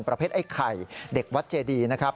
ประเภทไอ้ไข่เด็กวัดเจดีนะครับ